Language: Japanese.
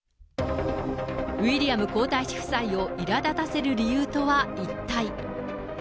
ウィリアム皇太子夫妻をいらだたせる理由とは一体。